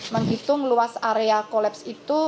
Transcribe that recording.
menghitung luas area kolaps itu